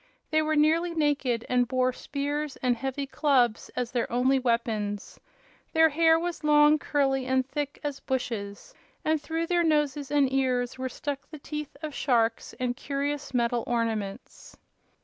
They were nearly naked, and bore spears and heavy clubs as their only weapons. Their hair was long, curly, and thick as bushes, and through their noses and ears were stuck the teeth of sharks and curious metal ornaments.